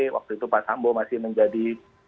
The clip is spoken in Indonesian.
waktu itu pak sambo masih menjadi